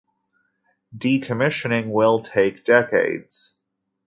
Decommissioning will take decades.